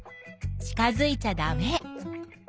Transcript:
近づいちゃダメ。